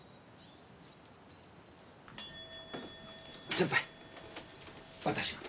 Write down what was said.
先輩私が。